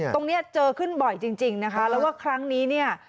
ตรงนี้เจอขึ้นบ่อยจริงนะคะแล้วว่าครั้งนี้เนี่ย